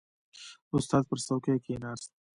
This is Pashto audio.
• استاد پر څوکۍ کښېناست.